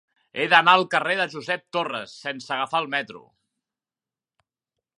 He d'anar al carrer de Josep Torres sense agafar el metro.